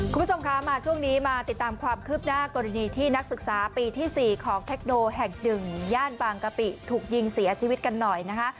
คุณผู้ชมคะมาช่วงนี้มาติดตามความคืบหน้ากรณีที่นักศึกษาปีที่๔ของเทคโนแห่ง๑ย่านบางกะปิถูกยิงเสียชีวิตกันหน่อยนะคะ